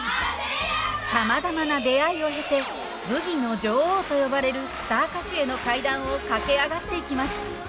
さまざまな出会いを経てブギの女王と呼ばれるスター歌手への階段を駆け上がっていきます。